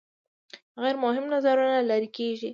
غیر مهم نظرونه لرې کیږي.